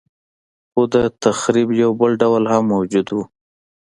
خو د تخریب یو بل ډول موجود و